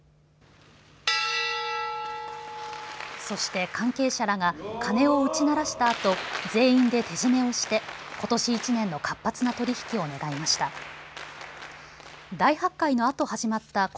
そして関係者らが鐘を打ち鳴らしたあと全員で手締めをしてことし１年の活発な取り引きを願いました。